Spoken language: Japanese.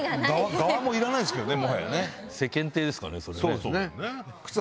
側もいらないですけどね。